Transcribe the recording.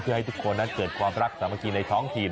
เพื่อให้ทุกคนนั้นเกิดความรักสามัคคีในท้องถิ่น